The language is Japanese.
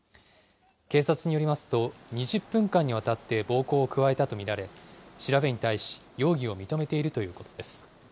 警察によりますと、２０分間にわたって暴行を加えたと見られ、調べに対し、容疑を認めているということです。